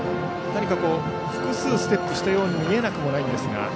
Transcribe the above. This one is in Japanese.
何か、複数ステップしたように見えなくもないですが。